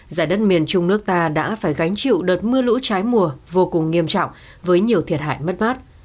giải đất miền trung nước ta đã phải gánh chịu đợt mưa lũ trái mùa vô cùng nghiêm trọng với nhiều thiệt hại mất mát